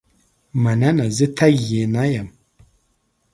مننه زه تږې نه یم.